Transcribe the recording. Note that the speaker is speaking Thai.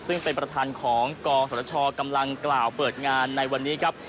ซึ่งเป็นประธานของกศชกำลังกล่าวเปิดงานในวันนี้ครับ